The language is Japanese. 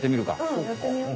うんやってみよう。